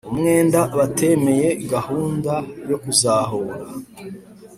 umwenda batemeye gahunda yo kuzahura